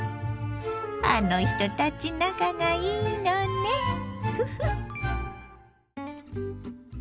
あの人たち仲がいいのねフフッ。